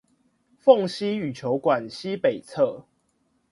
鳳西羽球館西北側